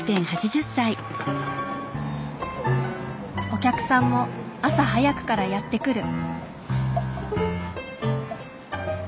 お客さんも朝早くからやって来る。